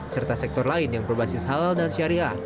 serta sektor lain yang berbasis halal dan syariah